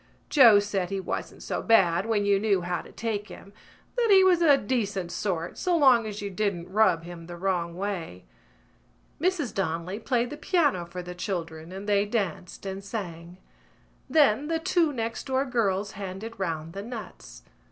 Joe said he wasn't so bad when you knew how to take him, that he was a decent sort so long as you didn't rub him the wrong way. Mrs Donnelly played the piano for the children and they danced and sang. Then the two next door girls handed round the nuts.